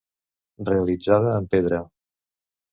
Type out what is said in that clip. Realitzada en pedra.